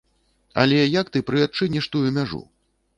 Але як ты прыадчыніш тую мяжу?